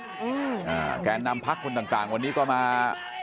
อ่าแกนนำพักคนต่างต่างวันนี้ก็มา